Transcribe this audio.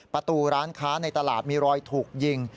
ประตูร้านค้าในตลาดมีรอยถูกยิง